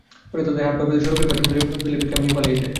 পরে তাঁদের হাত-পা বেঁধে সড়কের পাশে ফেলে পিকআপ নিয়ে পালিয়ে যায়।